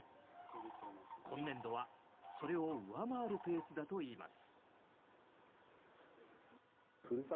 今年度はそれを上回るペースだといいます。